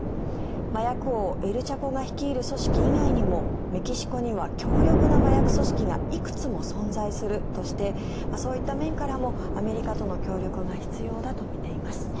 麻薬王、エル・チャポが率いる組織以外にもメキシコには強力な麻薬組織がいくつも存在するとしてそういった面からもアメリカとの協力が必要だと見ています。